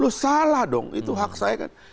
lu salah dong itu hak saya kan